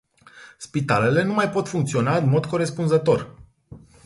Spitalele nu mai pot funcționa în mod corespunzător.